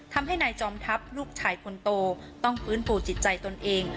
ทำให้นายจอมทัพลูกชายคนโตต้องฟื้นฟูจิตใจตนเอง